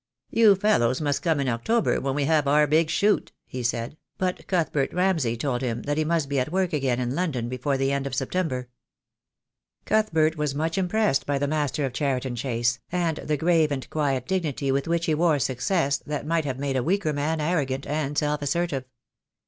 "You fellows must come in October, when we have our big shoot," he said, but Cuthbert Ramsay told him that he must be at work again in London before the end of September. Cuthbert was much impressed by the master of Cheri ton Chase, and the grave and quiet dignity with which he wore success that might have made a weaker man arrogant and self assertive.